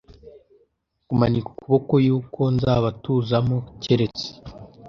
kumanika ukuboko yuko nzabatuzamo keretse